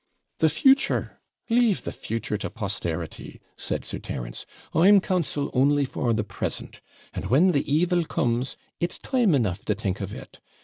'The future! leave the future to posterity,' said Sir Terence; 'I'm counsel only for the present; and when the evil comes, it's time enough to think of it.